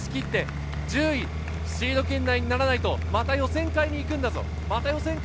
出し切って１０位、シード圏内にならないと、また予選会に行くんだぞ。